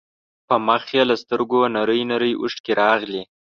په مخ يې له سترګو نرۍ نرۍ اوښکې راغلې.